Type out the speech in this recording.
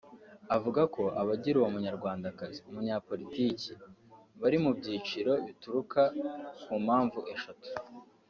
Avuga ko abagira uwo munyarwandakazi “Umunyapolitiki” bari mu byiciro bituruka ku mpamvu eshatu